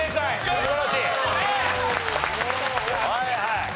はいはい。